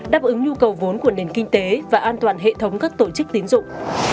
đáp ứng nhu cầu vốn của nền kinh tế và an toàn hệ thống các tổ chức tín dụng